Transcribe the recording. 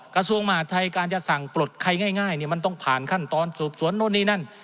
กระทรวงมหาทัยการจะสั่งปลดใครง่ายเนี่ยมันต้องผ่านขั้นตอนสืบสวนโน้นนี่นั่น